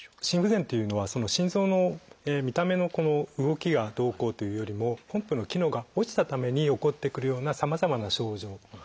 心不全というのは心臓の見た目の動きがどうこうというよりもポンプの機能が落ちたために起こってくるようなさまざまな症状